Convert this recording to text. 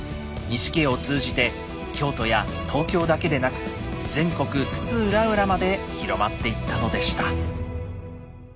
錦絵を通じて京都や東京だけでなく全国津々浦々まで広まっていったのでした。